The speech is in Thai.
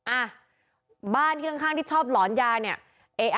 อ่ะบ้านข้างที่ชอบหลอนยาเนี่ย